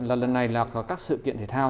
là lần này là các sự kiện thể thao